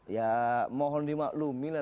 ya mohon dimaklumi lah